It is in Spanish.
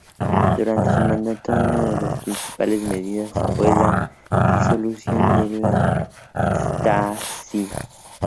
Durante su mandato, una de las principales medidas fue la disolución de la Stasi.